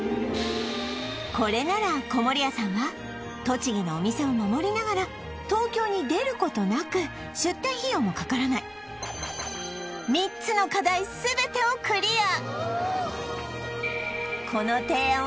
これなら籠谷さんは栃木のお店を守りながら東京に出ることなく出店費用もかからない３つの課題全てをクリア